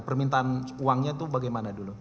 permintaan uangnya itu bagaimana dulu